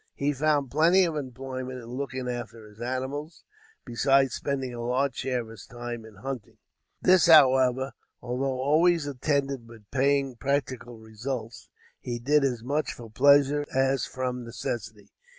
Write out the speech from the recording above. He found plenty of employment in looking after his animals, besides spending a large share of his time in hunting. This, however, although always attended with paying practical results, he did as much for pleasure as from necessity.